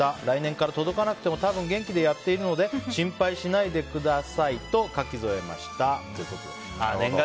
来年から届かなくても多分元気でやっているので心配しないでくださいと書き添えましたということで。